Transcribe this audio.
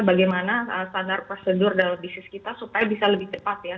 bagaimana standar prosedur dalam bisnis kita supaya bisa lebih cepat ya